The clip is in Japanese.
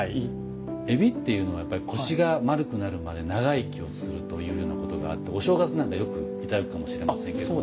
海老っていうのはやっぱり腰が丸くなるまで長生きをするというようなことがあってお正月なんかよく頂くかもしれませんけれども。